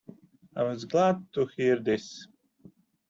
I was glad to hear this.